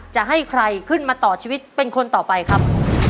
จะให้ใครขึ้นมาต่อชีวิตเป็นคนต่อไปครับ